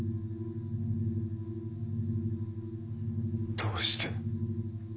どうして。